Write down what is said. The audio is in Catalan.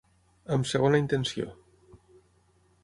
Amb segona intenció.